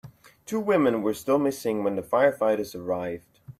Two women were still missing when the firefighters arrived.